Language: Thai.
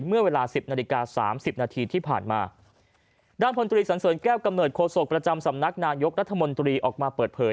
เมื่อเวลาสิบนาฬิกาสามสิบนาทีที่ผ่านมาด้านพลตรีสันเสริญแก้วกำเนิดโศกประจำสำนักนายกรัฐมนตรีออกมาเปิดเผย